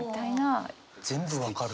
全部分かる。